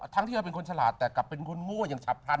ที่เราเป็นคนฉลาดแต่กลับเป็นคนโง่อย่างฉับพลัน